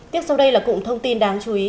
tiếp sau đây là cụm thông tin đáng chú ý